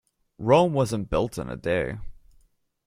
Rome wasn't built in a day.